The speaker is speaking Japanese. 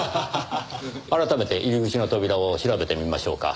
改めて入り口の扉を調べてみましょうか。